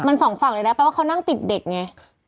มันสองฝั่งเลยนะแปลว่าเขานั่งติดเด็กไง